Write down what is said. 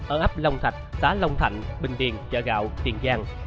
ở ấp long thạch xã long thạnh bình điền chợ gạo tiền giang